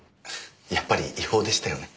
やっぱり違法でしたよね？